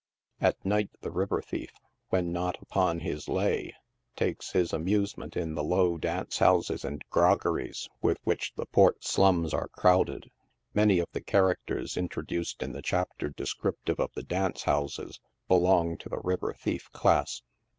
At night the river thief, when not upon his <•' lay," takes his amusement in the low dance houses and groggeries with which the port slums are crowded. Many of the characters introduced in the chapter descriptive of the dance houses belong to the river thief class.